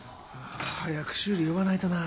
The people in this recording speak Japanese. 早く修理呼ばないとなぁ。